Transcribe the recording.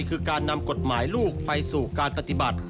คือการนำกฎหมายลูกไปสู่การปฏิบัติ